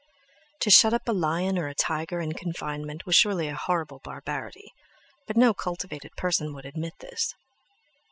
To shut up a lion or tiger in confinement was surely a horrible barbarity. But no cultivated person would admit this.